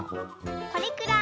これくらい。